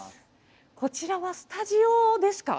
こちらはスタジオですか？